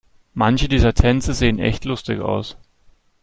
Manche dieser Tänze sehen echt lustig aus.